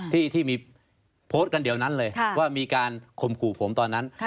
ที่มีโพสต์กันเดี๋ยวนั้นเลยว่ามีการข่มขู่ผมตอนนั้น